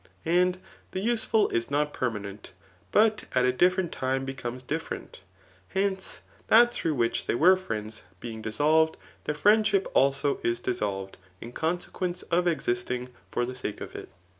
And the useful is nc^ permanent, but at a different time becomes different. Hoice, that through which they were friends being dissolved, their friendship also is dis solved, in consequence of existing for th^ sake of it.